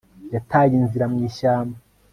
yataye inzira mu ishyamba